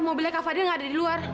mobilnya kak fadil nggak ada di luar